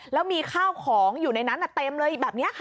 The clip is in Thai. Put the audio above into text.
แล้วมีข้าวของอยู่ในนั้นเต็มเลยแบบนี้ค่ะ